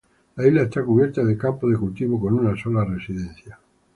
La isla está cubierta de campos de cultivo con una sola residencia.